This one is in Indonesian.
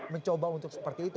mencoba untuk seperti itu